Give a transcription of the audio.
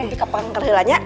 untuk ke pengkerjelannya